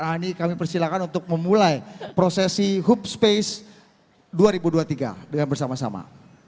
nah ini kami persilahkan untuk memulai prosesi hub space dua ribu dua puluh tiga dengan bersama sama